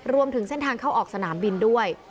รวมถึงเส้นทางเข้าออกสนามบินด้วย